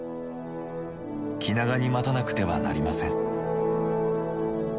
気長に待たなくてはなりません。